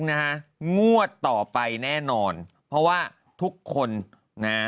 งวดต่อไปแน่นอนเพราะว่าทุกคนนะ